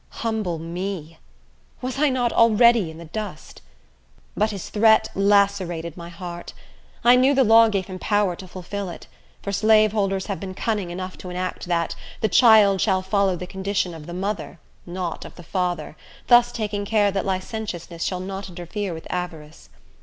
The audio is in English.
Humble me! Was I not already in the dust? But his threat lacerated my heart. I knew the law gave him power to fulfil it; for slaveholders have been cunning enough to enact that "the child shall follow the condition of the mother," not of the father, thus taking care that licentiousness shall not interfere with avarice.